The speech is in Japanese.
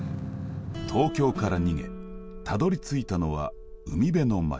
東京から逃げたどりついたのは海辺の町。